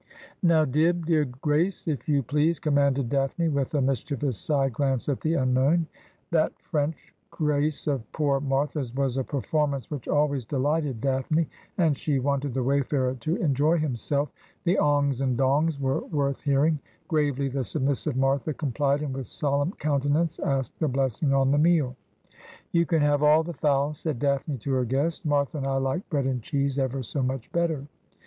' Now, Dibb dear, grace, if you please,' commanded Daphne, with a mischievous side glance at the unknown. That French grace of poor Martha's was a performance which always delighted Daphne, and she wanted the wayfarer to enjoy himself. The ' ongs' and ' dongs' were worth hearing. Gravely the submissive Martha complied, and with solemn countenance asked a blessing on the meal. ' You can have all the fowl,' said Daphne to her guest ;' Martha and I like bread and cheese ever so much better.'